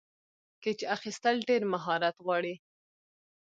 کېچ اخیستل ډېر مهارت غواړي.